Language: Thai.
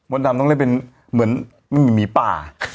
ดำต้องเล่นเป็นเหมือนหมีป่า